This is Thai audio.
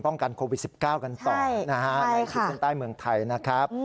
ป้องกันโควิดสิบเก้ากันต่อใช่ใช่ค่ะในชุดขึ้นใต้เมืองไทยนะครับ